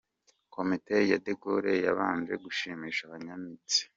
Komite ya DeGaule yabanje gushimisha abayimitse.